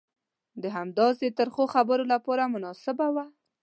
د همداسې ترخو خبرو لپاره مناسبه وه.